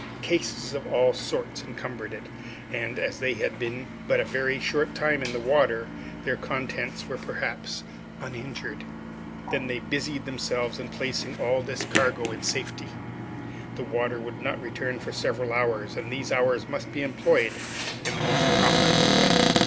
Cases of all sorts encumbered it, and, as they had been but a very short time in the water, their contents were perhaps uninjured. They then busied themselves in placing all this cargo in safety. The water would not return for several hours, and these hours must be employed in the most profitable way.